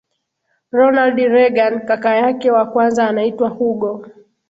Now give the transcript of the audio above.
Ronald Reagan Kaka yake wa kwanza anaitwa Hugo